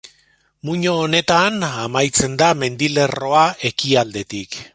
Muino honetan amaitzen da mendilerroa ekialdetik.